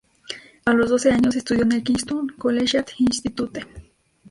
A los doce años, estudió en el Kingston Collegiate Institute.